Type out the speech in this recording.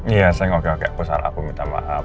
iya sayang oke oke aku salah aku minta maaf